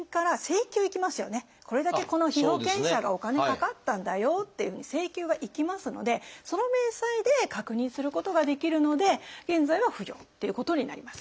これだけこの被保険者がお金かかったんだよっていうふうに請求がいきますのでその明細で確認することができるので現在は不要っていうことになります。